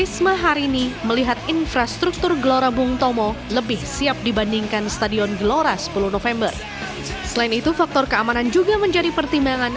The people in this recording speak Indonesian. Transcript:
selain itu faktor keamanan juga menjadi pertimbangan